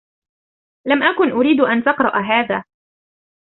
لم أكن أريد أن تقرأ هذا.